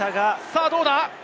どうだ？